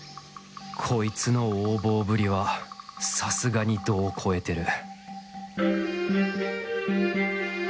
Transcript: こいつの横暴ぶりはさすがに度を越えてる